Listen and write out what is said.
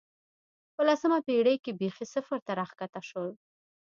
په لسمه پېړۍ کې بېخي صفر ته راښکته شول